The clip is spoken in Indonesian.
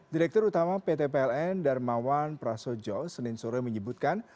direktur utama pt pln darmawan prasojo senin sore menyebutkan